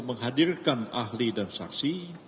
menghadirkan ahli dan saksi